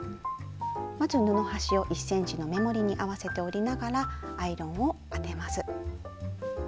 まず布端を１ｃｍの目盛りに合わせて折りながらアイロンを当てます。